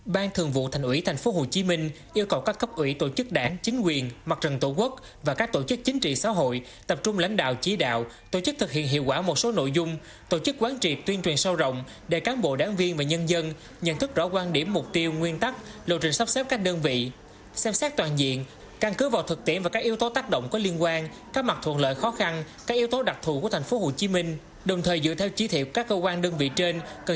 ban thường vụ thành ủy tp hcm yêu cầu các cấp ủy tổ chức đảng chính quyền mặt trần tổ quốc và các tổ chức chính trị xã hội tập trung lãnh đạo chí đạo tổ chức thực hiện hiệu quả một số nội dung tổ chức quán trị tuyên truyền sâu rộng để cán bộ đáng viên và nhân dân nhận thức rõ quan điểm mục tiêu nguyên tắc lộ trình sắp xếp các đơn vị xem xét toàn diện căn cứ vào thực tiễn và các yếu tố tác động có liên quan các mặt thuận lợi khó khăn các yếu tố đặc thụ của tp hcm đồng thời dựa